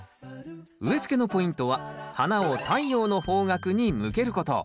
植えつけのポイントは花を太陽の方角に向けること。